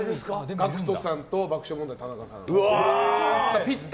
ＧＡＣＫＴさんと爆笑問題の田中さん。